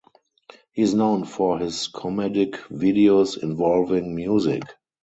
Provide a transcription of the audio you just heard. He is known for his comedic videos involving music.